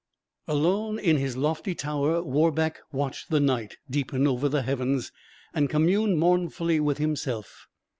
Alone in his lofty tower Warbeck watched the night deepen over the heavens, and communed mournfully with himself.